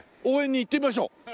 応援に行ってみましょう。